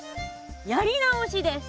やり直しです。